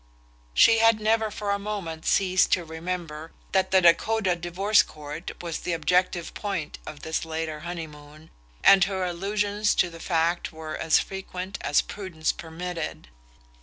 She had never for a moment ceased to remember that the Dakota divorce court was the objective point of this later honeymoon, and her allusions to the fact were as frequent as prudence permitted.